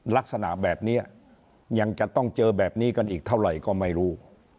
ลักษณะแบบนี้ยังจะต้องเจอแบบนี้กันอีกเท่าไหร่ก็ไม่รู้